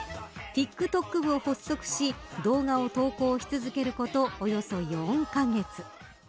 ＴｉｋＴｏｋＢＵを発足し動画を投稿し続けることおよそ４カ月。